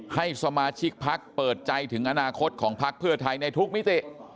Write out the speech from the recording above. ให้สมาชิกพักเปิดใจถึงอนาคตของพักเพื่อไทยในทุกมิติ